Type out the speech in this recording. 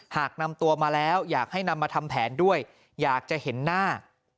หากนำตัวมาแล้วอยากให้นำมาทำแผนด้วยอยากจะเห็นหน้า